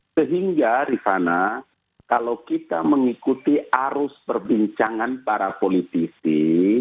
sehingga rifana kalau kita mengikuti arus perbincangan para politisi